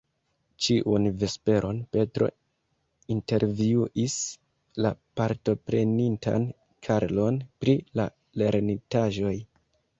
Ĉiun vesperon Petro intervjuis la partoprenintan Karlon pri la lernitaĵoj.